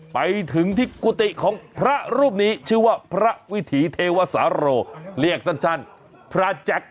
ไปถึงที่กุฏิของพระรูปนี้ชื่อว่าพระวิถีเทวสารโรเรียกสั้นพระแจ็ค